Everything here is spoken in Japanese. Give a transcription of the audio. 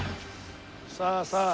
さあさあ。